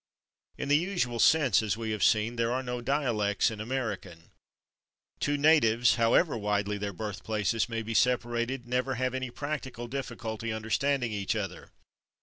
In the usual sense, as we have seen, there are no dialects in American; two natives, however widely their birthplaces may be separated, never have any practical difficulty understanding each other.